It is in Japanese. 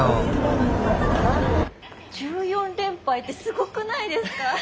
１４連敗ってすごくないですか？